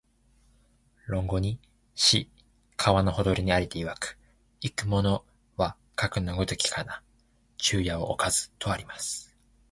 論語に、「子、川のほとりに在りていわく、逝く者はかくの如きかな、昼夜をおかず」とあります